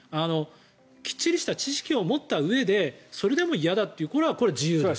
きっちりした知識を持ったうえでそれでも嫌だというそれは自由です。